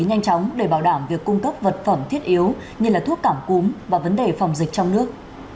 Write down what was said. nhanh chóng để bảo đảm việc cung cấp vật phẩm thiết yếu như thuốc cảm cúm và vấn đề phòng dịch trong nước